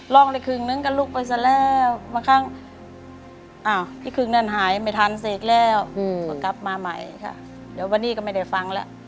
ร้องได้ครึ่งนึงก็ลุกไปซะแล้วบางครั้งอ้าวพี่ครึ่งนั่นหายไม่ทันเสกแล้วก็กลับมาใหม่ค่ะเดี๋ยววันนี้ก็ไม่ได้ฟังแล้ว